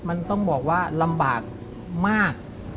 มันต้องบอกว่าลำบากมาก